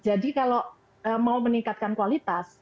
jadi kalau mau meningkatkan kualitas